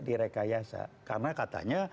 direkayasa karena katanya